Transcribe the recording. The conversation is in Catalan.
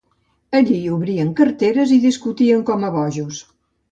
Allí obrien carteres i discutien com a bojos